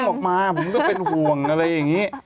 เดี๋ยวจะพุ่งออกมาผมก็เป็นห่วงอะไรอย่างนี้